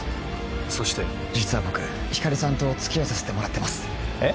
⁉そして実は僕光莉さんとお付き合いさせてもらってます。えっ？